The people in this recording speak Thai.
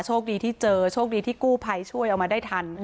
โชคดีที่เจอโชคดีที่กู้ภัยช่วยเอามาได้ทัน